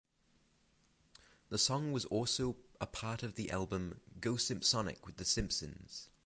The song was also a part of the album "Go Simpsonic with The Simpsons".